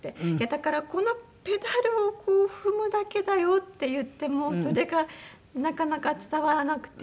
「だからこのペダルを踏むだけだよ」って言ってもそれがなかなか伝わらなくて。